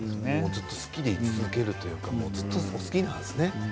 ずっと好きで居続けるというかずっと好きなんですね。